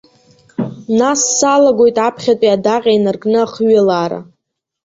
Нас салагоит, аԥхьатәи адаҟьа инаркны ахҩылаара.